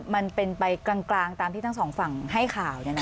มันเป็นไปกลางตามที่ทั้งสองฝั่งให้ข่าว